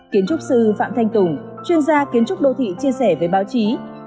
kiến trúc sư phạm thanh tùng chuyên gia kiến trúc đô thị chia sẻ với báo chí